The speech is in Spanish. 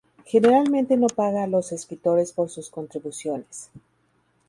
Generalmente no paga a los escritores por sus contribuciones.